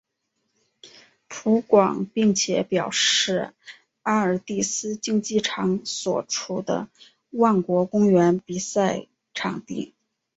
葡广并且表示阿尔蒂斯竞技场所处的万国公园为比赛场地。